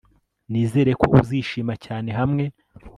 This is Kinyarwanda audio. Nizere ko uzishima cyane hamwe